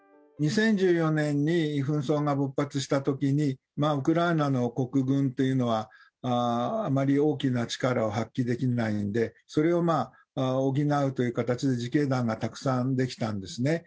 ２０１４年に紛争が勃発したときに、ウクライナの国軍というのは、あまり大きな力を発揮できないんで、それを補うという形で、自警団がたくさん出来たんですね。